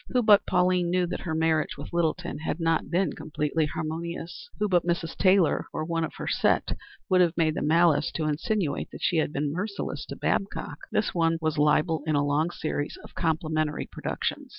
Who but Pauline knew that her marriage with Littleton had not been completely harmonious? Who but Mrs. Taylor or one of her set would have the malice to insinuate that she had been merciless to Babcock? This was one libel in a long series of complimentary productions.